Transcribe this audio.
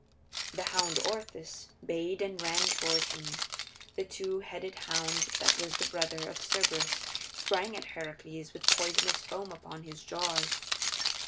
The hound Orthus bayed and ran toward him; the two headed hound that was the brother of Cerberus sprang at Heracles with poisonous foam upon his jaws.